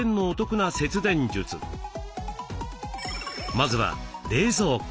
まずは冷蔵庫。